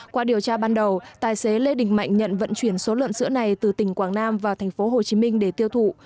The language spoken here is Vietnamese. qua điều tra ban đầu tài xế lê đình mạnh nhận vận chuyển số lợn sữa này từ tỉnh quảng nam vào tp hcm để tiêu thụ